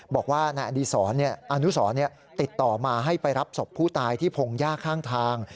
บอกว่านายอดีศรอนุสรติดต่อมาให้ไปรับศพผู้ตายที่พงหญ้าข้างทาง